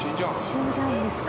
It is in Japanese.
死んじゃうんですか？